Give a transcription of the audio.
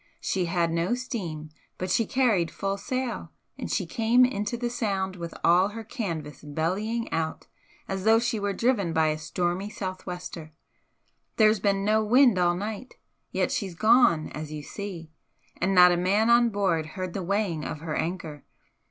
She had no steam, but she carried full sail, and she came into the Sound with all her canvas bellying out as though she were driven by a stormy sou'wester. There's been no wind all night yet she's gone, as you see and not a man on board heard the weighing of her anchor.